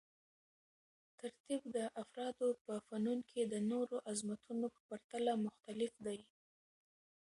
ترتیب د افرادو په فنون کې د نورو عظمتونو په پرتله مختلف دی.